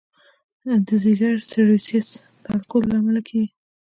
د ځګر سیروسس د الکولو له امله کېږي.